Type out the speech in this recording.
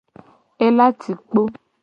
Ela ci kpo.